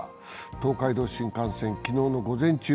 東海道新幹線、昨日の午前中